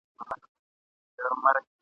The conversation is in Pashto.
چي په زرهاوو کسان یې تماشې ته وروتلي ول !.